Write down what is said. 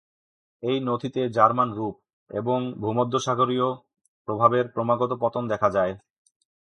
এই নথিতে জার্মান রূপ এবং ভূমধ্যসাগরীয় প্রভাবের ক্রমাগত পতন দেখা যায়।